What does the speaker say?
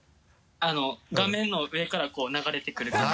画面の上からこう流れてくる感じ。